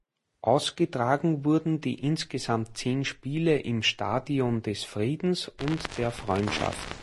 Ausgetragen wurden die insgesamt zehn Spiele im Stadion des Friedens und der Freundschaft.